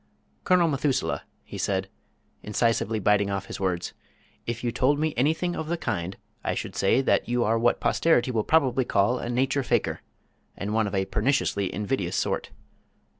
"Colonel Methuselah," he said, incisively biting off his words, "if you told me anything of the kind I should say that you are what posterity will probably call a nature faker, and one of a perniciously invidious sort."